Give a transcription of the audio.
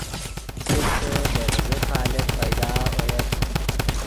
لیرسے دے ڤیزے قالب پیدا اویت